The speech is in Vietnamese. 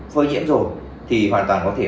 phơi nhiễm rồi thì hoàn toàn có thể